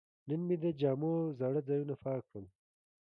نن مې د جامو زاړه ځایونه پاک کړل.